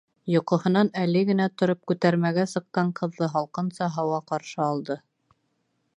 Йоҡоһонан әле генә тороп күтәрмәгә сыҡҡан ҡыҙҙы һалҡынса һауа ҡаршы алды...